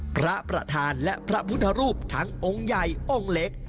พระประธานและพระพุทธรูปทั้งองค์ใหญ่องค์เล็ก